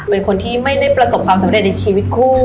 เป็นคนที่ไม่ได้ประสบความสำเร็จในชีวิตคู่